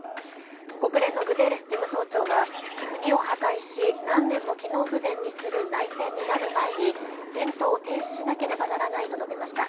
国連のグテーレス事務総長は国を破壊し何年も機能不全にする内戦になる前に戦闘を停止しなければならないと述べました。